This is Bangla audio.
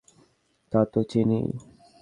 তা তো চিনিই।